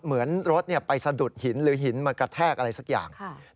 เหมือนรถไปสะดุดหินหรือหินมากระแทกอะไรสักอย่าง